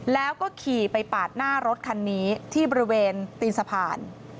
แล้วก็ขี่ไปปาดหน้ารถคันนี้ที่บริเวณตีนสะพาน